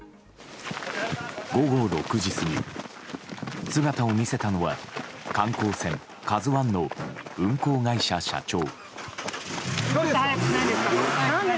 午後６時過ぎ、姿を見せたのは観光船「ＫＡＺＵ１」の運航会社社長。